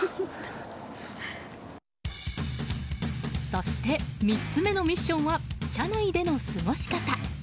そして３つ目のミッションは車内での過ごし方。